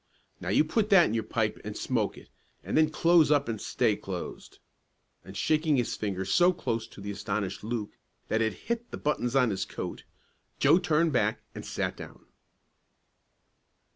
Now you put that in your pipe, and smoke it, and then close up and stay closed," and shaking his finger so close to the astonished Luke that it hit the buttons on his coat, Joe turned back and sat down.